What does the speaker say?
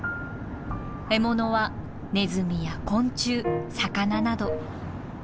獲物はネズミや昆虫魚など。